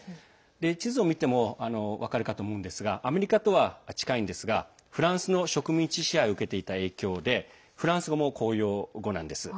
地図を見ても分かるかと思うんですがアメリカと近いんですがフランスの植民地支配を受けていた影響でフランス語が公用語です。